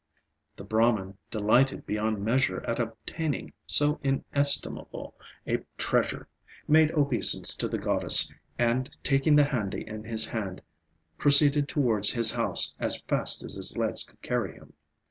The Brahman, delighted beyond measure at obtaining so inestimable a treasure, made obeisance to the goddess, and, taking the handi in his hand, proceeded towards his house as fast as his legs could carry him.